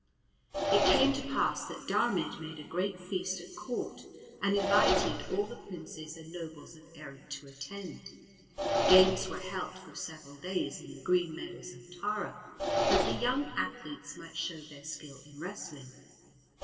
It came to pass that Diarmaid made a great feast at Court and invited all the princes and nobles of Erin to attend. Games were held for several days in the green meadows of Tara, that the young athletes might show their skill in wrestling.